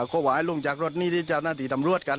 ขอให้ลงจากรถนี้ที่เจ้าหน้าที่ตำรวจกัน